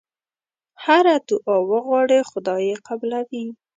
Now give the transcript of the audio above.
هره دعا وغواړې خدای یې قبلوي.